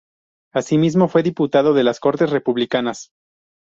Así mismo, fue diputado en las Cortes republicanas.